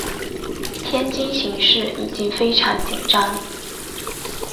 天津形势已经非常紧张。